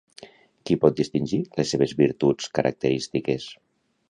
Qui pot distingir les seves virtuts característiques?